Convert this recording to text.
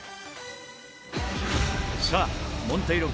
さあモンテイロ